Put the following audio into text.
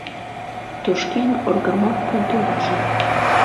Тошкен оргамак пуйто южым